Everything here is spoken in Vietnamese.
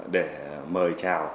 để mời trào